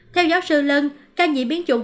theo giáo sư lân ca nhiễm biến chủng